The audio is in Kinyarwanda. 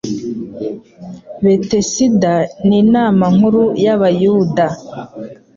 Betesida n'inama nkuru y'abayuda